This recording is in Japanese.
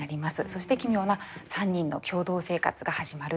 そして奇妙な３人の共同生活が始まるという。